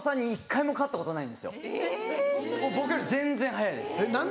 もう僕より全然速いです。